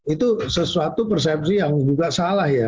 itu sesuatu persepsi yang juga salah ya